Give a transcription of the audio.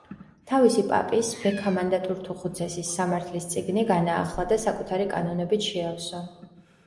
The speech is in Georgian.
თავისი პაპის, ბექა მანდატურთუხუცესის სამართლის წიგნი განაახლა და საკუთარი კანონებით შეავსო.